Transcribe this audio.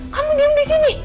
kamu diem disini